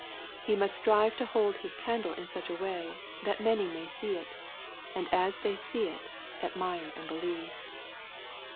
He must strive to hold his candle in such a way, that many may see it, and as ihey see it, admire and believe.